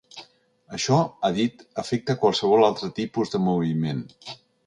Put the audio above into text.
Això, ha dit, afecta qualsevol altre tipus de moviment.